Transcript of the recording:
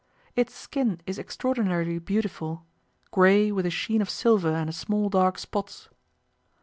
Its skin is extraordinarily beautiful grey, with a sheen of silver and small dark spots.